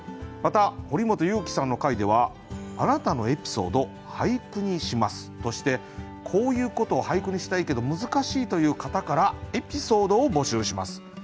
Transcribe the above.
また堀本裕樹さんの回では「あなたのエピソード、俳句にします」として「こういうことを俳句にしたいけど難しい」という方からエピソードを募集します。